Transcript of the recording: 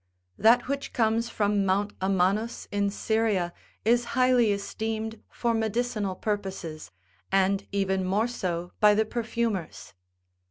That which comes from Mount Amanus, in Syria, is highly esteemed for medicinal purposes, and even more so by the perfumers.